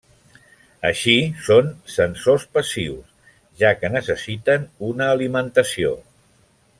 Així, són sensors passius, ja que necessiten una alimentació.